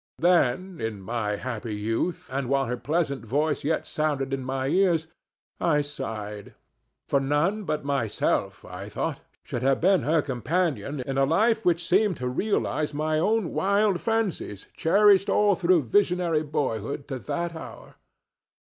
Then, in my happy youth, and while her pleasant voice yet sounded in my ears, I sighed; for none but myself, I thought, should have been her companion in a life which seemed to realize my own wild fancies cherished all through visionary boyhood to that hour.